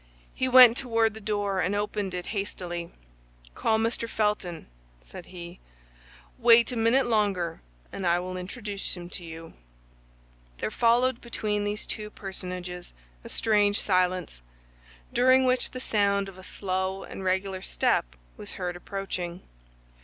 He went toward the door and opened it hastily. "Call Mr. Felton," said he. "Wait a minute longer, and I will introduce him to you." There followed between these two personages a strange silence, during which the sound of a slow and regular step was heard approaching.